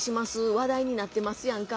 話題になってますやんか。